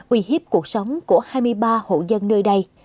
uy hiếp cuộc sống của hai mươi ba hộ dân nơi đây